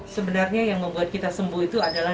sebenarnya yang membuat kita sembuh itu adalah